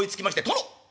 「殿！